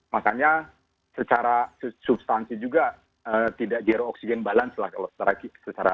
makanya secara substansi juga tidak zero oksigen balance lah